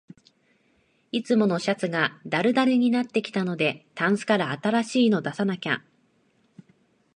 いつものシャツがだるだるになってきたので、タンスから新しいの出さなきゃ